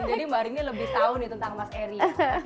jadi mbak rini lebih tahu nih tentang mas eri